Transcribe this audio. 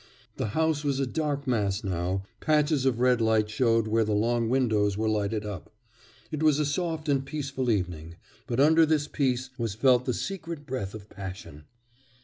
The house was a dark mass now; patches of red light showed where the long windows were lighted up. It was a soft and peaceful evening, but under this peace was felt the secret breath of passion.